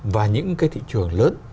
và những cái thị trường lớn